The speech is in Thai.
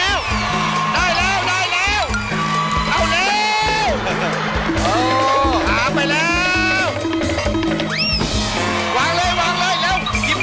เอาได้แล้วได้แล้วได้แล้ว